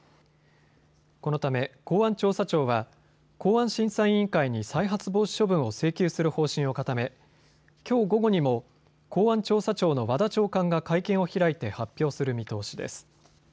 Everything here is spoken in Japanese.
このため公安調査庁は公安審査委員会に再発防止処分を請求する方針を固めきょう午後にも公安調査庁の和田長官が会見を開いて発表する見通しです。